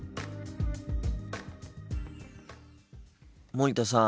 森田さん